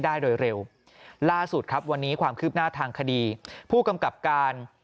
ได้โดยเร็วล่าสุดครับวันนี้ความคืบหน้าทางคดีผู้กำกับการ